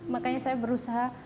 makanya saya berusaha